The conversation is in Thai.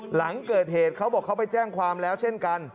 หลังเกิดเหตุเขาบอกเขาไปแจ้งความแล้วเช่นกัน